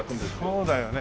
そうだよね。